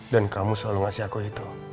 dan kamu selalu ngasih aku itu